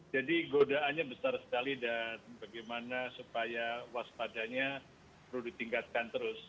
jadi godaannya besar sekali dan bagaimana supaya waspadanya perlu ditingkatkan terus